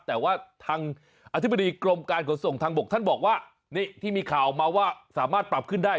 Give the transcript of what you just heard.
แต่ว่าทางอธิบดีกรมการขนส่งทางบกท่านบอกว่านี่ที่มีข่าวมาว่าสามารถปรับขึ้นได้